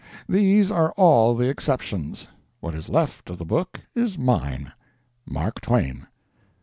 These are all the exceptions. What is left of the book is mine. MARK TWAIN.